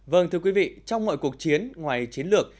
vâng thưa quý vị trong mọi cuộc chiến ngoài chiến lược